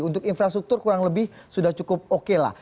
untuk infrastruktur kurang lebih sudah cukup oke lah